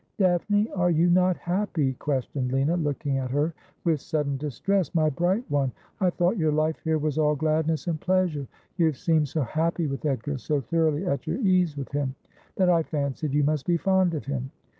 ' Daphne, are you not happy ?' questioned Lina, looking at her with sudden distress. ' My bright one, I thought your life here was all gladness and pleasure. You have seemed so happy with Edgar, so thoroughly at your ease with him, that I fancied you must be fond of him.'